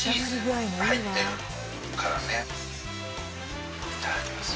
いただきます。